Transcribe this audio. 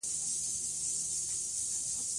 خو بيا هم پکې نرينه مرکزيت ماتېده